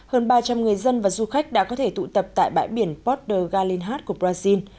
hơn ba trăm linh người dân và du khách đã có thể tụ tập tại bãi biển port de galinhard của brazil